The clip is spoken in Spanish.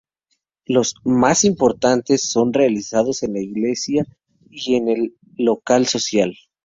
Los "más importantes" son los realizados en la iglesia y en el Local Social.